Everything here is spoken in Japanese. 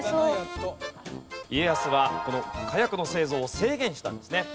家康はこの火薬の製造を制限したんですね。